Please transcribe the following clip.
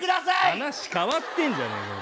話変わってんじゃねえかよ。